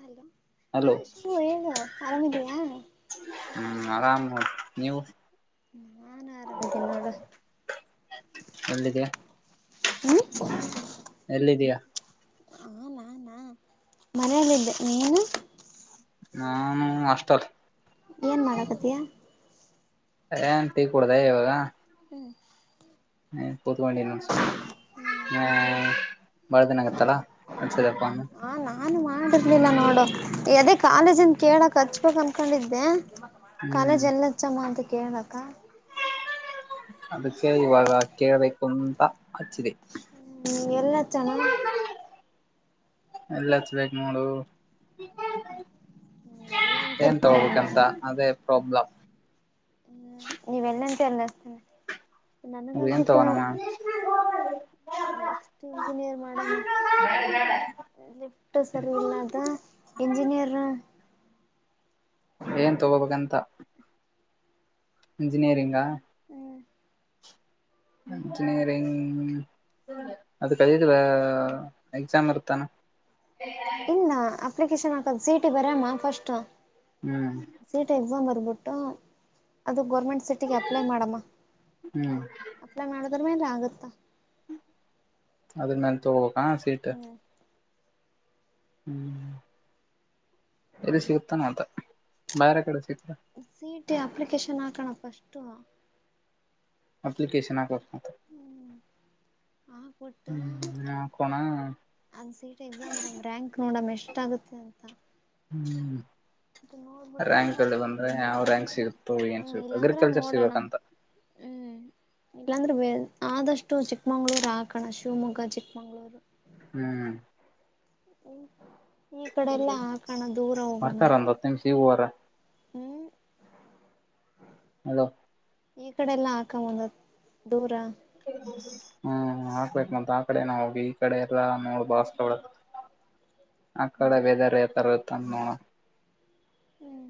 Hello ಹಾ hello Shivu ಹೇಳೋ ಆರಾಮ್ ಇದ್ಯಾ ಆರಾಮ್ ನೋಡು ನೀವು ನಾನು ಆರಾಮ್ ಇದ್ದೀನಿ ನೋಡು ಎಲ್ಲಿದಯ ಹೂ ಎಲ್ಲಿದೀಯಾ ಹ ನಾನ ಮನೆಯಲ್ಲಿದ್ದೆ ನೀನು ನಾನು ಹಾಸ್ಟೆಲ್ ಏನ್ ಮಾಡಕತ್ತಿಯ ಹೇ ಟೀ ಕುಡ್ದೆ ಇವಾಗ ಹು ಹೇ ಕುತ್ಕೊಂಡು ನೋಡ್ ಸುಮ್ಮನೆ ಹ್ಮ ಬಾಳದಿನ ಆಗತ್ತಲ್ಲ [inaudible] ಮಚ್ಚದಪ್ಪ ಹಾ ನಾನು ಮಾಡಿರ್ಲಿಲ್ಲ ನೋಡು ಅದೇ ಕಾಲೇಜನ್ ಕೇಳಕ್ ಹಚ್ಬೇಕು ಅನ್ಕೊಂಡಿದ್ದೆ ಕಾಲೇಜ್ ಹ್ಮ್ ಎಲ್ಲಚ್ಚಮ್ಮ ಅಂತ ಕೇಳಕ್ಕ ಅದಕ್ಕೆ ಇವಾಗ ಕೇಳ್ಬೇಕು ಅಂತ ಹಚ್ಚಿದೆ ಹ್ಮ್ ಎಲ್ಲಾ ಚಣ ಎಲ್ಲ ಹಚ್ಬೇಕು ನೋಡು ಎಲ್ಲಂತೆ ಏನ್ ತಗೋಬೇಕಂತ ಅದೇ ಪ್ರಾಬ್ಲಲೆಮ್ ಹ್ಮ ನೀವೆಲ್ಲಟ ಅನ್ನ್ತೀನ ನನಗ ಏನ್ ಅನ್ಸುತ್ತ [unintelligible] ತಗೋಣಮ್ಮ ನೆಕ್ಸ್ಟ್ ಇಂಜಿನಿಯರ್ ಮಾಡಮ್ಮ ಲಿಫ್ಟ್ ಸರಿ ಇಲ್ಲದ ಇಂಜಿನಿಯರ್ ಏನ್ ತಗೋಬೇಕಂತ. ಇಂಜಿನಿಯರಿಂಗಾ? Engineering ಅದಕ್ಕೆದ exam ಇರುತಾನೆ. ಇಲ್ಲ ಅಪ್ಲಿಕೇಶನ್ ಹಾಕದ ಸಿ ಟಿ ಬರಮ್ಮ ಫಸ್ಟ್ ಹ್ಮ್ ಸಿಟಿ ಎಕ್ಸಾಮ್ ಬರ್ಬಿಟ್ಟು ಅದು ಗೋರ್ಮೆಂಟ್ ಸಿಟಿಗೆ ಅಪ್ಲೈ ಮಾಡಮ್ಮ. ಹ್ಮ್ ಅಲ [unintelligible] ಮಾಡ ದರಮ್ಯಾನ್ ರಾಗ ಅದನ್ನನ್ [unintelligible] ತಗೋಕ್ಕಾ ಸೀಟ್ ಹ್ಮ್ ಹ್ಮ್ ಇಲ್ಲಿ ಸಿಗತಾನ ಅತ ಬರೆ ಕಡೆ ಸಿಗ್ತ ಸಿ ಟಿ ಅಪ್ಲಿಕೇಶನ್ ಹಾಕೋಣ ಫಸ್ಟು ಅಪ್ಲಿಕೇಶನಕ [unintelligible] ಹ್ಮ್ ಆಬಟ್ಟ ಹ್ಮ್ ಹಾಕೋಣ [inaudible] ಅಂದ್ ಸಿಟಿ ಎಕ್ಸಾಮ್ ಅರಮ್ ರ್ಯಾಂಕ್ ನೋಡಮ್ಮ ಎಷ್ಟ ಆಗುತ್ತೆ ಅಂತ ಹ್ಮ್ ಅದು ನೋಡ್ಬಿಟ್ಟು ರ್ಯಂಕ್ ಅಲ್ಲಿ ಬಂದ್ರೆ ಯಾವ್ ರ್ಯಾಂಕ್ ಸಿಗುತ್ತೋ ಏನ್ ಹ್ಮ್ ಸಿಗುತ್ತ ಇಲ್ಲಾಂದ್ರೆ ಅಗ್ರಿಕಲ್ಚರ್ ನೋಡೋಣ ಸಿಗಬೇಕಂತ ಹ್ಮ್ [inaudible] ಇಲ್ಲಾಂದ್ರೆ ಆದಷ್ಟು ಚಿಕ್ಕಮಂಗ್ಳೂರು ಆಕಡೇ ಶಿವಮೊಗ್ಗ ಚಿಕ್ಕಮಂಗ್ಳೂರು ಹ್ಮ್ ಹ್ಮ್ ಈ ಕಡೆ ಎಲ್ಲ ಹಾಕೋಣ ದೂರ ಹೋಗೋಣ ತಮಸೂರ [unintelligible] ಹ್ಮ್ ಹಲೋ ಈ ಕಡೆ ಎಲ್ಲ ಹಾಕಂಬಂದತ್ ದೂರ ಹ [inaudible] ಹ್ಮ್ ಹಾಕ್ಬೇಕ ಮಂತ್ ಆ ಕಡೆ ನಾವ್ ಹೋಗಿ ಈ ಕಡೆ ಎಲ್ಲಾ ನೋಡ್ ಬಾಳ್ ಅಷ್ಟಡ ಆ ಕಡೆ ವದರ್ ಯಾತರದ್ [unintelligible] ತನ್ನು ಹ್ಮ್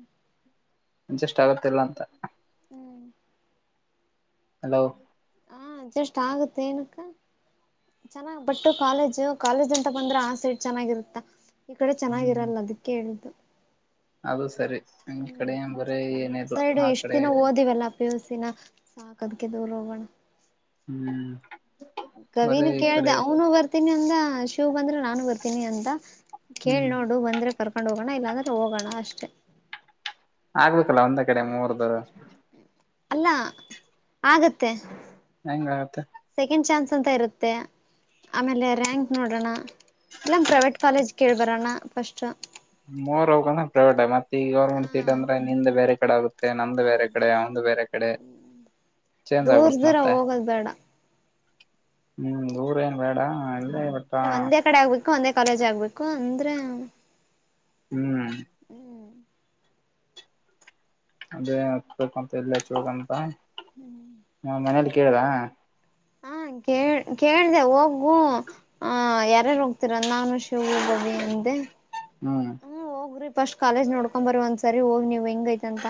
ಅಜಸ್ಟ್ ಆಗತ್ತ ಇಲ್ಲ ಅಂತ ಹ್ಮ್ [inaudible] ಹಲೋ ಹಾ ಅಡ್ಜಸ್ಟ್ ಆಗುತ್ತೆ ಏನಕ್ಕ ಚೆನ್ನಾಗ್ ಬಟ್ಟ ಕಾಲೇಜು ಕಾಲೇಜ್ ಅಂತ ಬಂದ್ರೆ ಆ ಸೈಡ್ ಚೆನ್ನಾಗಿರುತ್ತಾ ಈ ಕಡೆ ಹ್ಮ್ ಚೆನ್ನಾಗಿರಲ್ಲ ಅದಕ್ಕೆ ಹೇಳ್ದು ಅದು ಸರಿ ನಿಮ್ಮ್ ಕಡೆ ಬರೇ ಏನ ಇಲ್ಲ ಆ ಕಡೆ ಪ್ಯಸಿನ ಸಾಕದ್ಕ ದೂರು ಹೋಗೋಣ [unintelligible] ಹ್ಮ..... ಕವಿನ ಕೇಳ್ದ ಅವನು ಬರ್ತೀನಿ ಅಂದ ಶಿವ್ ಬಂದ್ರೆ ನಾನು ಬರ್ತೀನಿ ಅಂತ. ಕೇಳಿ ಹ್ಮ್ ನೋಡು ಬಂದ್ರೆ ಕರ್ಕೊಂಡ್ ಹೋಗೋಣ ಇಲ್ಲಾಂದ್ರೆ ಹೋಗೋಣ ಅಷ್ಟೇ ಆಗ್ಬೇಕಲ್ಲ ಒಂದ್ ಕಡೆ ಮೂರ್ದು ಅಲ್ಲ ಆಗತ್ತೆ ಹೆಂಗ ಆಗುತ್ತೆ ಸೆಕೆಂಡ್ ಚಾನ್ಸ್ ಅಂತ ಇರುತ್ತೆ ಆಮೇಲೆ ರ್ಯಾಂಕ್ ನೋಡೋಣ ಇಲ್ಲಂಗ ಪ್ರೈವೇಟ್ ಕಾಲೇಜ್ ಕೇಳ್ಬರೋಣ ಫಸ್ಟ್ ಮೂರರ್ ಅವ್ೆ ಪ್ರೈವೇಟ್ ಮತ್ತೆ ಈ ಗವರ್ಮೆಂಟ್ ಸೀಟ್ ಹ ಅಂದ್ರೆ ನಿಂದೆ ಬೇರೆಡೆ ಆಗುತ್ತೆ ಮತ್ತೆ ನಮ್ದ ಬೇರೆ ಹೌದು ಕಡೆ ಅವಂದು ಬೇರೆ ಕಡೆ ಚೇಂಜ್ ದೂರ ಆಗ್ಬಿಡ್ತ್ ದೂರ ಮತ್ತೆ ಹೋಗೋದ್ ಬೇಡ ಹ.... ದಊರ ಏನ್ ಬೇಡ ಇಲ್ಲೇ ಬಟ್ ಅಂದ ಒಂದೇ ಕಡೆ ಆಗ್ಬೇಕು ಒಂದೇ ಕಾಲೇಜ್ ಆಗ್ಬೇಕು ಅಂದ್ರೆ ಹ್ಮ್ ಹ್ಮ್ ಅದೇ ಹತ್ ಮಂತ ಎಲ್ಲ ಹಚ್ಚ ಹಂತ ನ ಮನೇಲಿ ಕೇಳಿದ ಹಾ ಕೇಳ್ ಕೇಳ್ದ ಹೋಗು ಹ ಯಾರಾರು ಹೋಗ್ತೀರ ನಾನು ಶೀ ವು ಗವಿ ಅಂದೆ ಹ್ಮ್ ಹ್ಮ ಹೋಗ್ರಿ ಫಸ್ಟ್ ಕಾಲೇಜ್ ನೋಡ್ಕೊ್ ಬರಿ ಒಂದ್ಸರಿ ಹೋಗಿ ನೀವ್ ಹೆಂಗ ಐತ್ಂತ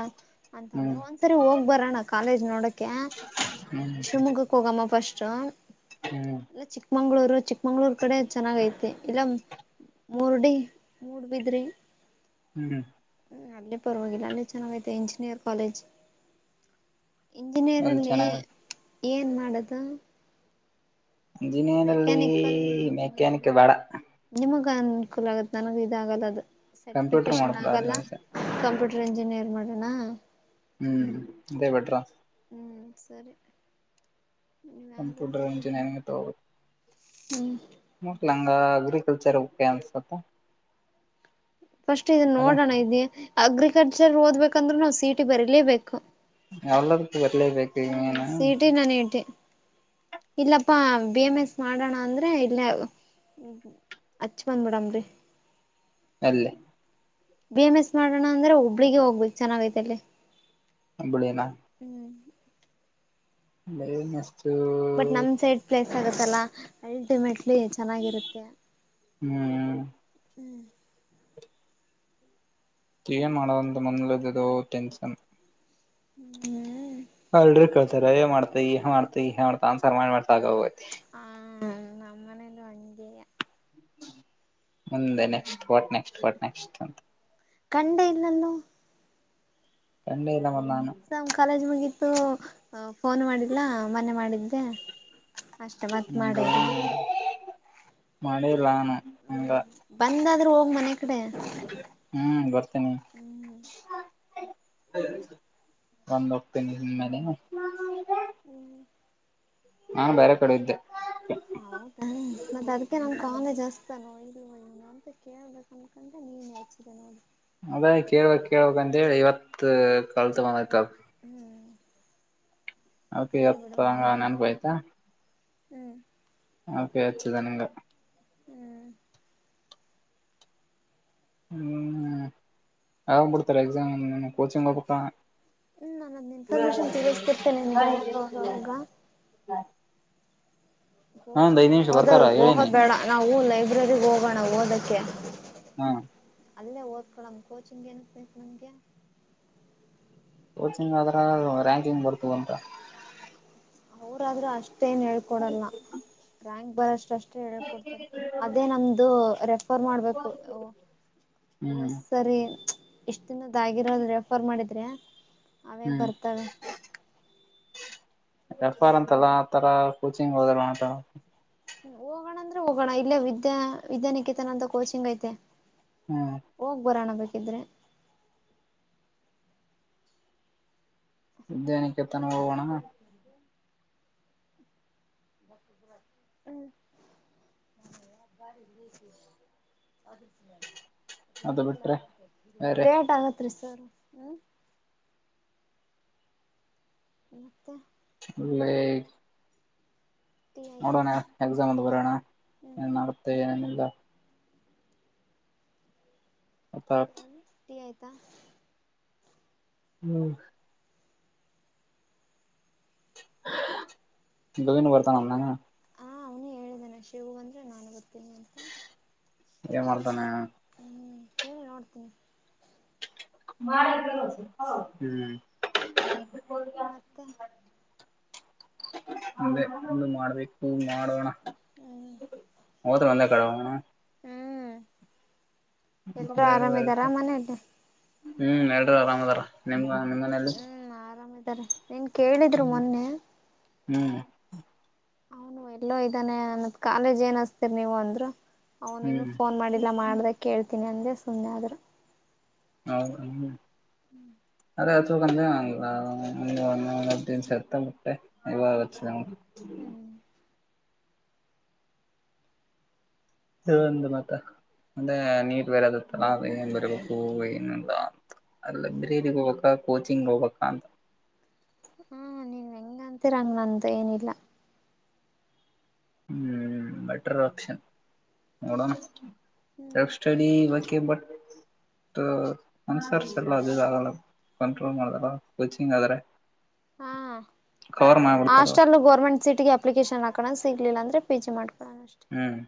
ಅಂತಂದ್ರ ಹ್ಮ್ ಒಂದ ಸರಿ ಹೋಗ್ ಬರಣ ಕಾಲೇಜ್ ನೋಡಕೆ ಶಿವಮೊಗ್ಗಕ್ಕೆ ಹೋಗಮ್ಮ ಫಸ್ಟ್ ಹ್ಮ.... ಇಲ್ಲ ಚಿಕ್ಕಮಂಗ್ಳೂರು ಚಿಕ್ಕಮಂಗ್ಳೂರ್ ಕಡೆ ಚೆನ್ನಾಗ ಐತೆ ಇಲ್ಲ ಮೂರ್ಡಿ ಮೂಡುಬಿದಿರಿ ಹ್ಞೂ ಹ ಅಲ್ಲಿ ಪರವಾಗಿಲ್ಲ ಅಲ್ಲಿ ಚೆನ್ನಾಗೈತೆ ಇಂಜಿನಿಯರ್ ಕಾಲೇಜ್ ಅಲ್ಲಿ ಇಂಜಿನಿಯರ್ಲ್ಲಿ ಚೆನ್ನಾಗ ಏನ್ ಮಾಡದು. ಇಂಜಿನಿಯರ್ ಅಲ್ಲಿ ಮೆಕ್ಯಾನಿಕಲ್ ಇಂಜಿನಿಯರ್ ಮೆಕ್ಯಾನಿಕ್ ಬೇಡ ನಿಮಗ ಅನುಕೂಲ ಆಗತ್ ನನಗ ಇದಾಗಲ್ಲ ಅದು ಕಂಪ್ಯೂಟರ್ ಸರ್ಟಿಫಿಕೇಶನ್ ಮಾಡ್ಬಿಡ ಆಗಲ್ಲ. ಆಸೆ ಕಂಪ್ಯೂಟರ್ ಇಂಜಿನಿಯರ್ ಮಾಡೋಣ ಹ್ಮ್ ಇದೇ ಬೆಟರ್ ಊ ಸರಿ... ಕಂಪ್ಯೂಟರ್ ಇಂಜಿನಿಯರಿಂಗ್ ಹ... ಮತ್ತ ನನಗ ಅಗ್ರಿಕಲ್ಚರ್ ಓಕೆ ಅನ್ಸುತ್ತ. ಫಸ್ಟ್ ಇದದು ಅದ ನೋಡೋಣ ಇದ ಅಗ್ರಿಕಲ್ಚರ್ ಓದ್ಬೇಕಂದ್ರರು ನಾವು ಸಿ ಈ ಟಿ ಬರೀಲೇಬೇಕು ಎಲ್ಲದಕ್ಕೂ ಬರ್ಲೇಬೇಕು ಹ್ಮ್ ಏನು ಸಿ ಈ ಟಿ ನಾನನ್ ಹೇಳಟ ಇಲ್ಲಪ್ಪಾ ಬಿ ಎ ಎಂ ಎಸ್ ಮಾಡೋಣ ಅಂದ್ರೆ ಇಲ್ಲ ಹಚ್ ಬಂದ್ ಬಿಿಡಮ್ರರಿ ಏ ಲ್ಲೇ ಬಿ ಎಎಂ ಎಸ್ ಮಾಡೋಣ ಅಂದ್ರೆ ಹುಬ್ಬಳ್ಳಿಳಿಗೆ ಹೋಗ್ಬೇಕು ಚೆನ್ನಾಗೀತೆ ಹುಬ್ಬಳಿನ ಹ್ಮ... ಬಿ ಎ ಎಂ ಎಸ್ ದೂ ಬಟ್ ನಮ್ ಸೈಡ್ ಪ್ಲೇಸ್ ಆಗತ್ತಲ್ಲಾ ಅಲ್ಟಿಮೇಟ್ಲಿ ಚೆನ್ನಾಗಿರುತ್ತೆ ಹ್ಮ್ ಹ್ಮ... ಏನ್ ಮಾಡೋಂದು [unintelligible] ಟೆನ್ಷನ್ ಹ್ಮ ಅಲ್ರಿ ಕೆಳ್ತಾರ ಎನ್ ಮಾಡ್ತಿ ಎನ್ ಮಾಡ್ತಿ [unintelligible] ಆನ್ಸರ್ ಮಾಡ್ ಮಾಡ್ ಸಾಕಾಗಿ ಹೋಗೈತಿ. ಹ ನಮ್ಮನೇಲು ಹಂಗೆ. ಮುಂದೆ next what next what next ಅಂತ. ಕಂಡೆ ಇಲ್ಲಲ್ಲೋ. ಕಂಡೆಇಲ್ಲಮ ನಾನು. ನಮ್ ಕಾಲೇಜ್ ಮುಗಿತ್ತು ಅ ಫೋನು ಮಾಡಿಲ್ಲ ಮನ್ನೆ ಮಾಡಿದ್ದೆ. ಅಷ್ಟೆ ಮತ್ ಮಾಡೇ ಇಲ್ಲ [unintelligible] ಮಾಡಿಲ್ ನಾನ ಹಂಗ. ಬಂದಾದ್ರೂ ಹೋಗ್ ಮನೆ ಕಡೆ. ಹ್ಮ್ ಬರ್ತೀನಿ. ಬಂದ್ ಹೊಕ್ತೀನಿ ಇನ್ ಮೇಲೆ. ಹ್ಮ್ ನಾ ಬ್ಯಾರೆ ಕಡೆ ಇದ್ದೆ. ಹ ಮತ್ತ ಅದ್ಕೆ ನನ್ ಕಾಲೇಜ ಹಸ್ತಾನೋ ಇಲ್ಲೋ ಇವ್ನು ಅಂತ ಕೇಳ್ದೆ. ಅನ್ನಕಂಡೆ ನೀನೆ ಹಚ್ದೆ ನೋಡ್. ಅದೇ ಕೇಳ್ಬೇಕ್ ಕೇಳ್ಬಕ್ ಅಂದೆ ಇವತ್ತ ಕಲ್ತ ಬಂದೈತ್ ಅದ. ಹ್ಮ್ ಅದ್ಕೆ ಇಡ್ಲಿ ಬಿಡು ಇವತ್ ಹಂಗ ಮಾಡೋಣ ನೆನಪ ಆಯ್ತಾ. ಹ್ಮ್ ಅದಕ್ಕೆ ಹಚ್ಚದೆ ನಿಂಗ್. ಹ್ಮ್ ಹ್ಮ್ ಯಾವಾಗ್ ಬಿಡ್ತಾರ ಎಕ್ಸಾಮ ನೀನ್ನು ಕೋಚಿಂಗ್ ಹೊಬೆಕ. ಹ್ಮ್ ನಾನು ಅದ್ನ ಇನ್ಫಾರ್ಮೇಶನ್ ತಿಳಿಸ್ತಿರ್ತೇನೆ ನಿನ್ಗೆ ಅವಾಗ [unintelligible] ಅವಾಗ ಹಾ ಒಂದ್ ಕೋಚಿಂಗ ಐದ್ ನಿಮಿಷ ಓದ ಬರ್ತಾರ ಹೋಗೋದ ಹೇಳಿನಿ ಬೇಡ ನಾವೂ ಲೈಬ್ರರಿಗ್ ಹೋಗೋಣ ಓದಕ್ಕೆ. ಹಾ ಅಲ್ಲೇ ಓದ್ಕೊಳಮ್ ಕೋಚಿಂಗ್ ಏನಕ್ ಬೇಕ್ ನಮ್ಗೆ. ಕೋಚಿಂಗ್ ಆದ್ರ ರ್ಯಾಂಕಿಂಗ್ ಬರ್ತದ ಅಂತ. ಅವ್ರಾದ್ರೂ ಅಷ್ಟೇನ್ ಹೇಳ್ಕೊಡಲ್ಲ ರ್ಯಾಂಕ್ ಬರೋಷ್ಟಷ್ಟು ಹ ಹೇಳ್ ಕೊಡ್ತಾರ ಅದೇ ನಮ್ದು ರೆಫರ್ ಮಾಡ್ಬೇಕು. ಓ ಹ್ಮ್ ಸರಿ ಇಷ್ಟ ದಿನದಾಗಿರೋದು ರೆಫರ್ ಮಾಡಿದ್ರೆ. ಅವೇ ಹ್ಞ ಬರ್ತವೆ. ರೆಫರ್ ಅಂತಲ್ಲ ಆ ತರ ಕೋಚಿಂಗ್ [unintelligible] ಹ್ಮ್ ಹೋಗೋಣ ಅಂದ್ರೆ ಹೋಗೋಣ ಇಲ್ಲೇ ವಿದ್ಯಾ ವಿದ್ಯಾನಿಕೇತನ ಅಂತ ಕೋಚಿಂಗ್ ಐತೆ. ಹ್ಞೂ ಹೋಗ್ ಬರೋಣ ಬೇಕಿದ್ರೆ. ವಿದ್ಯಾನಿಕೇತನ್ ಹೋಗೋಣ. [unintelligible] [inaudible] [unintelligible] ಅದು ಬಿಟ್ರೆ [unintelligible] ಬೇರೆ ಡೇಟ್ ಆಗತ್ರಿ ಸರ್ ಹ್ಮ್. ಮತ್ತ ಒಳ್ಳೆ ಟೀ ಆಯ್ತಾ ನೋಡೋಣ ಎಕ್ಸಾಮ್ ಒಂದ್ ಬರಿಯೋಣ ಹ್ಮ್ ಏನ್ ಆಗತ್ತೆ ಏನಿಲ್ಲ. ಅತ್ತರ್ಥ [unintelligible] ಸರಿ ಟೀ ಆಯ್ತಾ. ಹ್ಮ್ ಗವಿನು ಬರ್ತಾನ ಹಾ ಅವನು ಹೇಳಿದಾನೆ ಶಿವು ಬಂದ್ರೆ ನಾನೇ ಬರ್ತೀನಿ ಅಂತ ಏ ಮಾಡ್ತಾನೆ ಹ್ಮ್ ಕ ನೋಡ್ತೀನಿ ಮಾಡಳ ಕೋ ಹೌ ಮತ್ತೆ ಅಂದೆ ಒ ಮಾಡ್ಬೇಕು ಹ ಮಾಡೋಣ ತ್ ಬಂದ ಕೇಳೋಣ ಹ್ಮ್ ಎಲ್ರೂ ಬೇರೆ ಬೇರೆ ಆರಾಮಿದಾರ ಮನೆಯಲ್ಲ ಹ್ಮ್ ಎಲ್ಲರೂ ಆರಾಮ್ ಅದಾರ ನಿಮ್ಗ ನಿಮ್ ಮನೆಯಲ್ಲಿ ನಿನ್ನ ಕೇಳಿದರು ಮೊನ್ನೆ ಹ್ಮ್ ಅವನ ಎಲ್ಲೋ ಇದ್ದಾನೆ ಅವನಗ ಕಾಲೇಜ್ ಏನ್ ಹಸ್ತೀರ ನೀವು ಅಂದ್ರು ಅವನೇನು ಹ್ಮ್ ಫೋನ್ ಮಾಡಿಲ್ಲ ಮಾಡಿದ್ರೆ ಕೇಳ್ತಿನಿ ಅಂದ್ರೆ ಸುಮ್ಮನೆ ಆದ್ರ ಹೌ ಹ [unintelligible] ಹ್ಮ್ [inaudible] ಅ ಒತ್ತ ಬಿಟ್ಟೆ [unintelligible] ಹ್ಮ್ ಇ ಒಂದು ಮಾತ ಅಂದ್ರೆ ನೀಟ್ ಬೇರೆದತ್ತಲ್ಲ ಅದು ಏನ್ ಬರ್ಬೇಕು ಏನು ಅಂತ ಲೈಬ್ರೇರಿಗ್ ಹೋಗ್ಬೇಕ ಕೋಚಿಂಗ್ ಹೋಗ್ಬೇಕ ಅಂತ ಹ್ಮ ನೀನ್ ಅಂತಿರ ಹಂಗತ ಏನಿಲ್ಲ ಹ್ಮ್ ಬೆಟರ್ ಆಪ್ಷನ್ ನೋಡಣ ಹ್ಮ್ ಸೆಲ್ಫ್ ಸ್ಟಡಿ ಬ ಬಟ್ ಅನ್ಸರ್ಸಲ್ಲ ಅದುಗಲ್ಲ [unintelligible] ಕಂಟ್ರೋಲ್ ಹ್ಮ್ ಮಾಡದಾರ ಕೋಚಿಂಗ್ ಆದ್ರೆ ಹಾ ಕವರ್ ಮಾಡ್ಬಿಡ್ತಾರ ಅವ್ರು ಹಾಸ್ಟಲ್ ಗೋರ್ಮೆಂಟ್ ಸೀಟಗೆ ಅಪ್ಲಿಕೇಶನ್ ಹಾಕಣ ಸಿಗಲಿಲ್ಲ ಅಂದ್ರೆ ಪಿ ಜಿ ಮಾಡ್ಕೋಣ ಅಷ್ಟ ಹ್ಮ್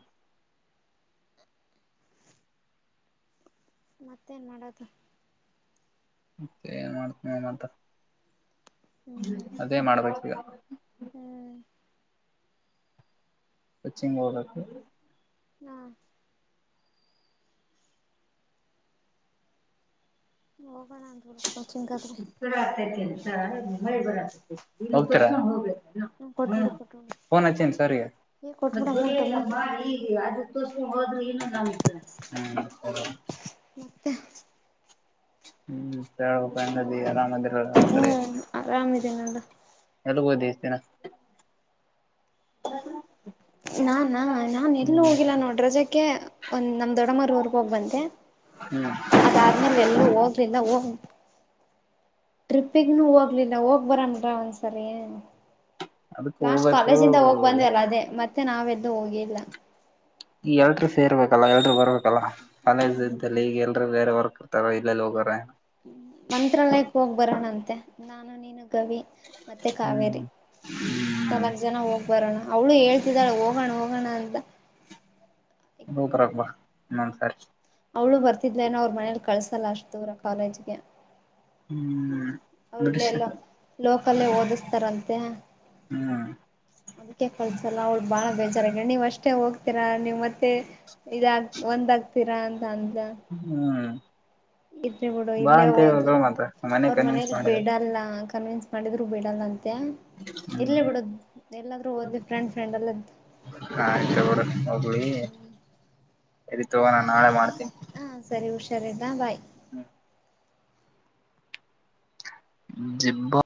ಮತ್ತೇನು ಮಾಡೋದು ಮತ್ತೆ ಏನ್ ಮಾಡ್ತನ ಅಂತ ಹ್ಮ್ ಅದೇ ಮಾಡ್ಬೇಕ ಈಗ ಹ್ಮ್ ಕೋಚಿಂಗ್ ಓಗಬೇಕು ಹಾ ಹೋಗೋಣ ಅ ಇರ ಆಗ್ತೈತಿ ಎಂತ ಆೊಂಡ್ ಹೋಗಬೇಕ [unintelligible] ಹ ಕೊಟ್ಬಿಡು ಕೊಟ್ಟ ಪೋನ್ ಹೆಚ್ಚಿನ ಸರ್ ಗೆ ಮತ್ತ ದುರಿ ಅಮೌಂಟ್ ಎಲ್ಲ ಅಮೌಂಟ್ ಮಾಡಿ ಈಗ ಅದು ತೋ ಹೋದರು ಇಲ್ಲ ನಮ [unintelligible] ಮತ್ತೆ ಹ್ಮ್ ಸಪ ನದ ಅರಾಮ ಮಂದಿರ ಕಡೆ ಹ್ಮ್ ಆರಾಮಿದೀನಿ ನೋಡು [unintelligible] ಎಲ್ಲ ಓದ ಎಷ್ಟು ದಿನ ಹ್ಮ [inaudible] ನಾನಾ ನಾನ ಎಲ್ಲ ಹೋಗಿಲ್ಲ ನೋಡ ರಜಕ್ಕೆ ಒಂದ್ ನಮ್ ದೊಡ್ಡಮ್ಮಊರ್ ಹೋಗ್ ಬಂದೆ ಹ್ಮ್ ಆದ್ಮೇಲೆ ಎಲ್ಲೂ ಹೋಗಲಿಲ್ಲ ಹೋಗ ಟ್ರಿಪ್ಪಿಗನು ಹೋಗ್ಲಿಲ್ಲ ಹೋಗ್ ಬರನ ಬಾ ಒಂದ್ಸರಿ ಏ ಅದಕ್ ಲಾಸ್ಟ್ ಹೋಗ್ಬೇಕು ಕಾಲೇಜ್ ಇಂದ ಹೋಗ್ ಬಂದ್ವಲ್ಲ ಅದೇ ಮತ್ತೆ ನಾವೆಲ್ಲೂ ಹೋಗಿಲ್ಲ ಎಲ್ರು ಸೇರ್ಬೇಕಲ್ಲ ಎಲ್ರು ಬರ್ಬೇಕಲ್ಲ ಕಾಲೇಜ ಇಲ್ಲಿ ಈಗ ಎಲ್ರ ಬೇರೆ ವರ್ಕ್ ಇರ್ತಾರ ಇಲ್ಲೆಲ್ಲಿ ಹೋಗ್ರ ಮಂತ್ರಾಲಯಕ್ಕೆ ಹೋಗ್ ಬರೋಣಂತೆ ನಾನು ನೀನು ಗವಿ ಮತ್ತೆ ಕಾವೇರಿ ಹ್ಮ್ ನಾಲ್ಕು ಜನ ಹೋಗಿ ಬರೋಣ ಅವಳು ಹೇಳ್ತಿದ್ದಾಳೆ ಹೋಗೋಣ ಹೋಗೋಣ ಅಂತ ಬತರಕ್ಬ [unintelligible] [inaudible] ಅವ್ಳು ಬರ್ತಿದ್ಲೇನೋ ಅವ್ರ ಮನೇಲಿ ಕಳ್ಸಲ್ಲ ಅಷ್ಟು ದೂರ ಕಾಲೇಜ್ಗೆ ಹ್ಮ್ [inaudible] ಅವ್ರ ಇಲ್ಲೇ ಎಲ್ಲೋ ಲೋಕಲ್ಲೇ ಓದಿಸ್ತಾರಂತೆ ಹ್ಮ್ [inaudible] ಅದಕ್ಕೆ ಕಳ್ಸಲ್ಲ ಅವ್ಳು ಬಾಳ ಬೇಜಾರಾಗಿ ನೀವ ಅಷ್ಟೇ ಹೋಗ್ ಆತೀರಾ ನೀವು ಮತ್ತೆ ಇದಾಗ ಒಂದಾಗಗ್ತೀರಾ ಅಂತ ಅಂದ್ಲಾ ಹ್ಮ್ ಇರ್ಲಿ ಬಿಡು ಬಾ ಇಲ್ಲೇ ಅಂತ ಹೋದು ಹೇಳಿದ್ರು ಮತ್ತ ಮನೆ ಅವ್ರ ಕನ್ವಿನ್ಸ್ ಮನೇಲಿ ಮಾಡಿದ್ರು ಬಿಡಲ್ಲ ಕನ್ನವೇನ್ಸ್ ಮಾಡಿದ್ರು ಬಿೇಡಲ್ಲಂತೆ ಹ್ಮ್ ಇರ್ಲಿ ಬಿಡು ಎಲ್ಲಾದರೂ ಹೋದಿ ಫ್ರೆಂಡ್ ಫ್ರೆಂಡಲ್ಲ [unintelligible] ಹ ಆಯ್ತಗ್ರ ಹೋಗ್ಲಿ ಎರಿ ತಗೋ ನಾನ್ ನಾಳೆ ಮಾಡ್ತೀನಿ ಹಾಂ ಸರಿ ಹುಷಾರಿದ್ದಾ ಬಾಯ್ ಹ್ಮ [unintelligible] ಜಿಬ